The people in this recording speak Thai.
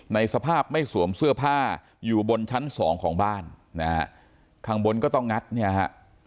ในสภาพไม่สวมเสื้อผ้าอยู่บนชั้นสองของบ้านนะฮะข้างบนก็ต้องงัดเนี่ยฮะ